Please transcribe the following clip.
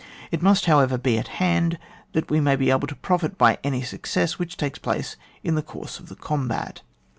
It must, however, be at hand, that we may be able to profit by any success which takes place in the course of the combat.